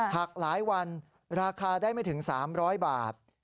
หากหลายวันราคาได้ไม่ถึง๓๐๐บาท